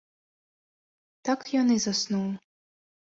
Так ён і заснуў.